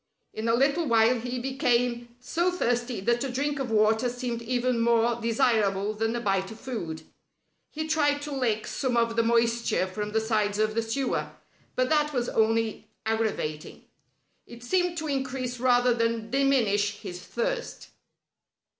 In a little while he became so thirsty that a drink of water seemed even more desirable than a bite of food. He tried to lick some of the moisture from the sides of the sewer, but that was only aggravating. It seemed to increase rather than diminish his thirst.